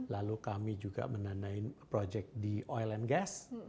lalu kami juga menandatangani project di oil and gas